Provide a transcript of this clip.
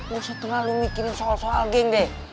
gak usah terlalu mikirin soal soal geng deh